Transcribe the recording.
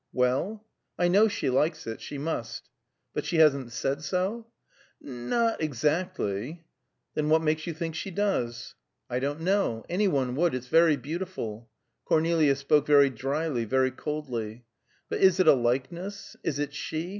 "Well?" "I know she likes it; she must." "But she hasn't said so?" "Not exactly." "Then what makes you think she does?" "I don't know. Any one would. It's very beautiful." Cornelia spoke very dryly, very coldly. "But is it a likeness? Is it she?